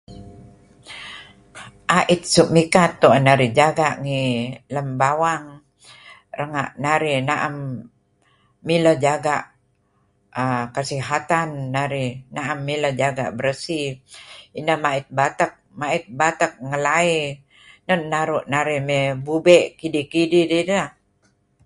A'it suk mikat tu'en narih jaga'ngi lem bawang renga' narih na'em mileh jaga' err kesihatan narih na'em mileh jaga' bersih ineh ma'it batek, ma'it batek ngelai, enun naru' narih mey bube' kidih kidih nineh .